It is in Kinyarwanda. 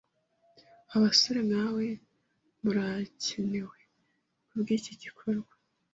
Abasore nkawe murakenewe kubwiki gikorwa.